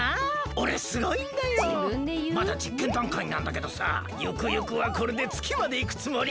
まだじっけんだんかいなんだけどさゆくゆくはこれでつきまでいくつもり。